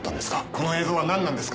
この映像は何なんですか。